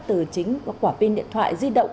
từ chính của quả pin điện thoại di động